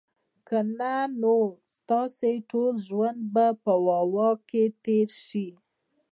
که نه نو ستاسو ټول ژوند به په "واه، واه" کي تیر سي